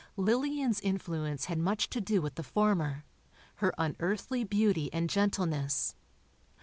Lillian's influence had much to do with the former—her unearthly beauty and gentleness.